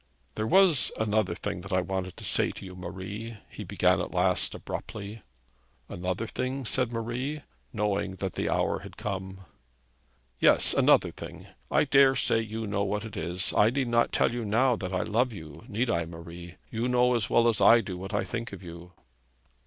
'There was another thing that I wanted to say to you, Marie,' he began at last abruptly. 'Another thing,' said Marie, knowing that the hour had come. 'Yes; another thing. I daresay you know what it is. I need not tell you now that I love you, need I, Marie? You know as well as I do what I think of you.'